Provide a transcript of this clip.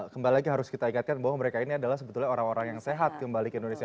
kembali lagi harus kita ingatkan bahwa mereka ini adalah sebetulnya orang orang yang sehat kembali ke indonesia